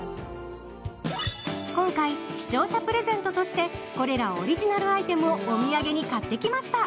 今回、視聴者プレゼントとしてこれらオリジナルアイテムをお土産に買ってきました。